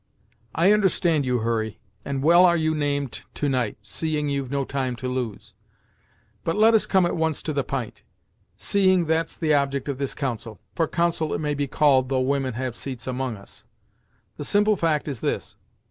"I understand you, Hurry, and well are you named to night, seeing you've no time to lose. But let us come at once to the p'int, seeing that's the object of this council for council it may be called, though women have seats among us. The simple fact is this.